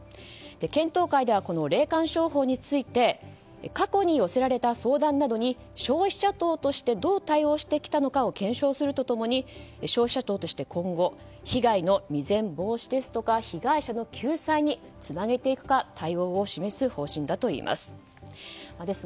検討会では、霊感商法について過去に寄せられた相談などに消費者庁としてどう対応してきたかを検証すると共に、消費者庁として今後、被害の未然防止ですとか被害者の救済につなげていくか対応を示す方針だといいます。